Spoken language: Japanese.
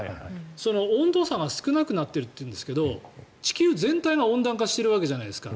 温度差が少なくなってるというんですが地球全体は温暖化してるわけじゃないですか。